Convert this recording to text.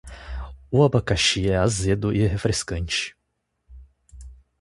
O abacaxi é azedo e refrescante.